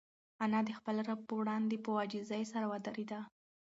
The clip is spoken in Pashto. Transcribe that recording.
انا د خپل رب په وړاندې په عاجزۍ سره ودرېده.